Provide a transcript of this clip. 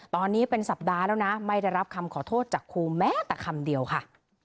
ตอนนี้เป็นสัปดาห์แล้วนะไม่ได้รับคำขอโทษจากครูแม้แต่คำเดียวค่ะ